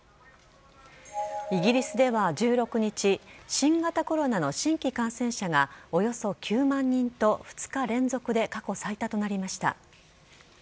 イギリスでは１６日新型コロナの新規感染者がおよそ９万人と２日連続で過去最多となりました。